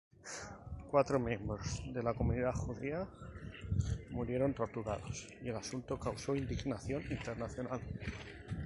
Cuatro miembros de la comunidad judía murieron torturados, y el asunto causó indignación internacional.